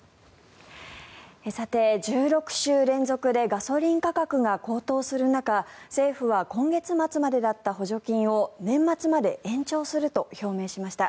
さて、１６週連続でガソリン価格が高騰する中政府は今月末までだった補助金を年末まで延長すると表明しました。